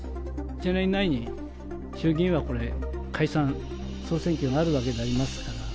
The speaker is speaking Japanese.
１年以内に衆議院はこれ、解散・総選挙があるわけでありますから。